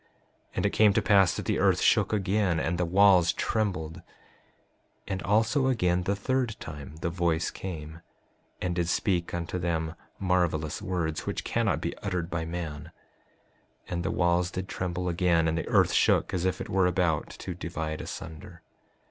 And it came to pass that the earth shook again, and the walls trembled. 5:33 And also again the third time the voice came, and did speak unto them marvelous words which cannot be uttered by man; and the walls did tremble again, and the earth shook as if it were about to divide asunder.